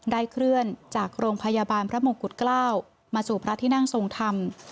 เคลื่อนจากโรงพยาบาลพระมงกุฎเกล้ามาสู่พระที่นั่งทรงธรรม